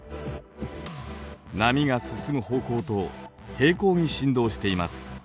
波が進む方向と平行に振動しています。